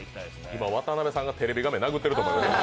今、渡辺さんがテレビ画面殴ってると思うよ。